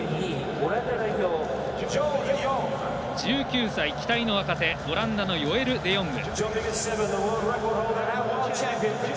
１９歳、期待の若手オランダのヨエル・デヨング。